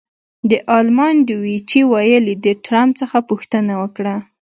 د المان ډویچې وېلې د ټرمپ څخه پوښتنه وکړه.